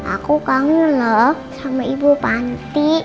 aku kangen loh sama ibu panti